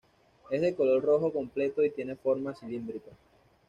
Es de color rojo completo y tiene forma cilíndrica.